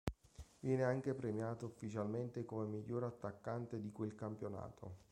Viene anche premiato ufficialmente come miglior attaccante di quel campionato.